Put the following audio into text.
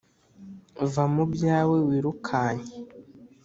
va mu byawe wi rukanke